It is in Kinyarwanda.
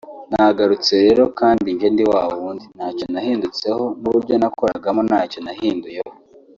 nagarutse rero kandi nje ndi wa wundi ntacyo nahindutseho n’uburyo nakoragamo ntacyo nahinduyeho